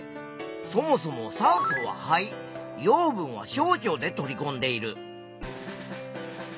そもそも酸素は肺養分は小腸で取りこんでいる。